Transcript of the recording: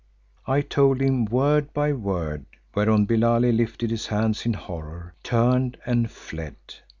I told him word by word, whereon Billali lifted his hands in horror, turned and fled.